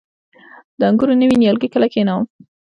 د انګورو نوي نیالګي کله کینوم؟